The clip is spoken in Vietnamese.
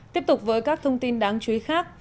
tiếp tục với các thông tin đáng chú ý khác